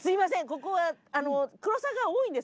ここは「くろさわ」が多いんですよ。